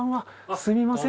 すみません